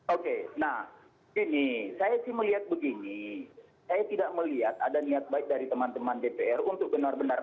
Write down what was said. oke nah gini saya sih melihat begini saya tidak melihat ada niat baik dari teman teman dpr untuk benar benar